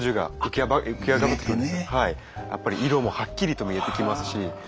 やっぱり色もはっきりと見えてきますし。